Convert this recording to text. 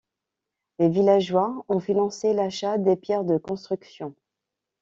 Les villageois ont financé l’achat des pierres de construction.